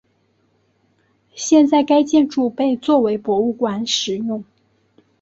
现在该建筑被作为博物馆使用。